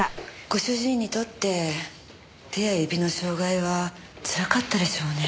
ご主人にとって手や指の障害はつらかったでしょうね。